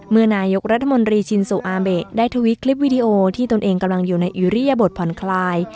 เมื่อนายกรัฐมนตรีชินซูอาเบะได้ทวิตคลิปวิดีโอที่ตนเองกำลังอยู่ในอิริยบทผ่อนคลาย